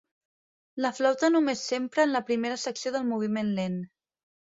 La flauta només s'empra en la primera secció del moviment lent.